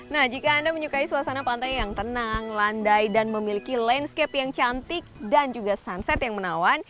nah jika anda menyukai suasana pantai yang tenang landai dan memiliki landscape yang cantik dan juga sunset yang menawan